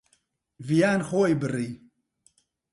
ڤیان خۆی بڕی.